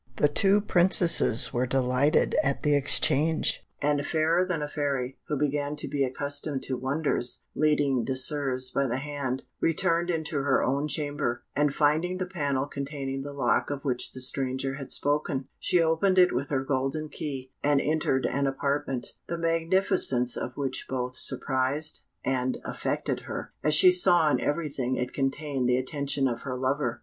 The two Princesses were delighted at the exchange, and Fairer than a Fairy, who began to be accustomed to wonders, leading Désirs by the hand, returned into her own chamber, and finding the panel containing the lock of which the stranger had spoken, she opened it with her golden key, and entered an apartment, the magnificence of which both surprised and affected her, as she saw in everything it contained the attention of her lover.